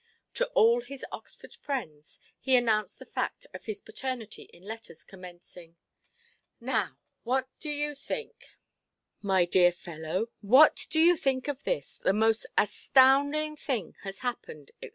To all his Oxford friends he announced the fact of his paternity in letters commencing—"Now what do you think, my dear fellow, what do you think of this—the most astounding thing has happened", &c.